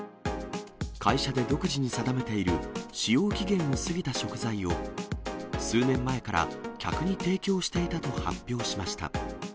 会社で独自に定めている使用期限を過ぎた食材を、数年前から客に提供していたと発表しました。